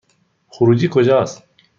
خروجی کجاست؟